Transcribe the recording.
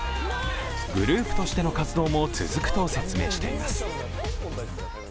グループとしての活動も続くと説明しています。